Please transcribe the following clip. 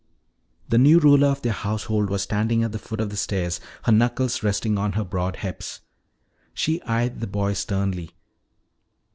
The new ruler of their household was standing at the foot of the stairs, her knuckles resting on her broad hips. She eyed the boy sternly.